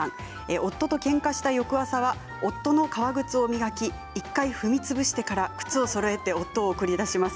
夫とけんかした翌朝は夫の革靴を開き、１回、踏み潰してから靴をそろえて夫を送り出します。